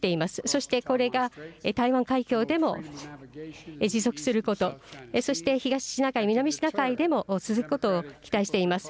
そして、これが台湾海峡でも持続すること、そして東シナ海、南シナ海でも続くことを期待しています。